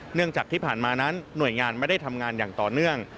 เนื่องจากที่ผ่านมานั้นหน่วยงานไม่ได้ทำงานอย่างต่อเนื่อง